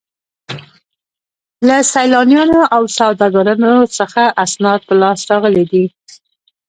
له سیلانیانو او سوداګرو څخه اسناد په لاس راغلي دي.